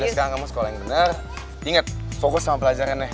sekarang kamu sekolah yang benar inget fokus sama pelajarannya